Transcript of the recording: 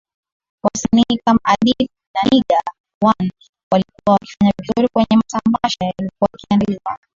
Wasanii Kama adili na Nigga one walikuwa wakifanya vizuri kwenye matamasha yalikuwa yakiandaliwa